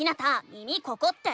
「耳ここ⁉」って。